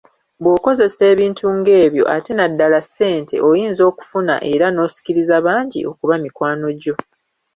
Bw'okozesa ebintu ng'ebyo ate naddala ssente oyinza okufuna era n'osikiriza bangi okuba mikwano gyo.